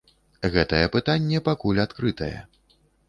Гэтае пытанне пакуль адкрытае.